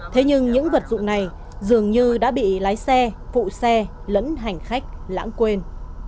thế nhưng những vật dụng này dường như đã bị lái xe phụ xe lẫn hành khách lãng quên